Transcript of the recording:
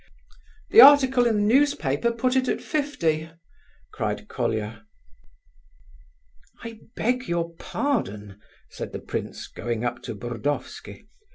"The article in the newspaper put it at fifty!" cried Colia. "I beg your pardon," said the prince, going up to Burdovsky.